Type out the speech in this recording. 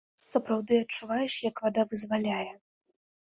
Сапраўды адчуваеш, як вада вызваляе.